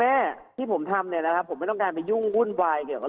แม่ที่ผมทำเนี่ยนะครับผมไม่ต้องการไปยุ่งวุ่นวายเกี่ยวกับ